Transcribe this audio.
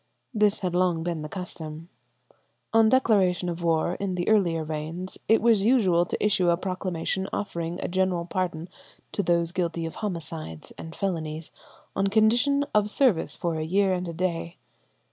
This had long been the custom. On declaration of war in the earlier reigns, it was usual to issue a proclamation offering a general pardon to those guilty of homicides and felonies on condition of service for a year and a day.